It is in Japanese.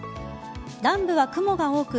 南部は雲が多く